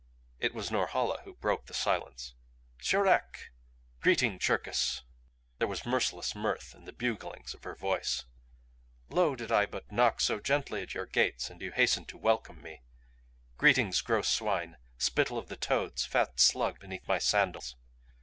It was Norhala who broke the silence. "Tcherak! Greeting Cherkis!" There was merciless mirth in the buglings of her voice. "Lo, I did but knock so gently at your gates and you hastened to welcome me. Greetings gross swine, spittle of the toads, fat slug beneath my sandals."